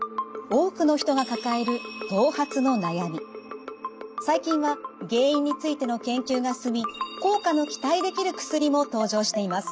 多くの人が抱える最近は原因についての研究が進み効果の期待できる薬も登場しています。